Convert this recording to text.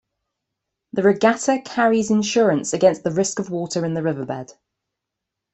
The regatta carries insurance against the risk of water in the riverbed.